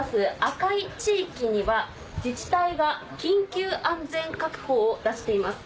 赤い地域には自治体が緊急安全確保を出しています。